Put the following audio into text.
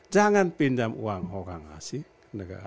jangan pinjam uang orang asing